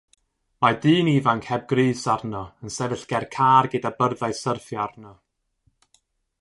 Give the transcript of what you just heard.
Mae dyn ifanc heb grys arno yn sefyll ger car gyda byrddau syrffio arno.